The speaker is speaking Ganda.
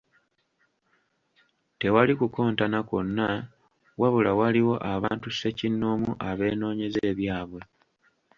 Tewali kukontana kwonna wabula waliwo abantu ssekinnoomu abeenoonyeza ebyabwe.